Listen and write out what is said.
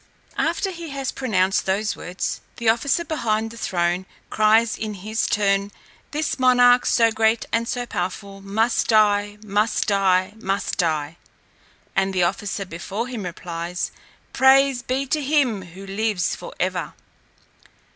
After he has pronounced those words, the officer behind the throne cries in his turn, 'This monarch, so great and so powerful, must die, must die, must die.' And the officer before replies, 'Praise be to him who lives for ever.'